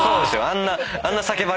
あんな。